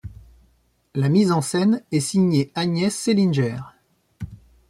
La mise en scène est signée Agnès Seelinger.